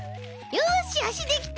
よしあしできた！